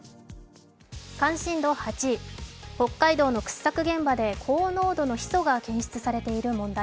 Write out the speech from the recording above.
関心度８位、北海道の掘削現場で高濃度のヒ素が検出されている問題。